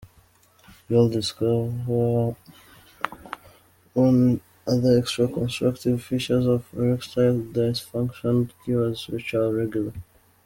You’ll discover one other extra constructive features of erectile dysfunction cures which are regular.